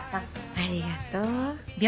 ありがとう。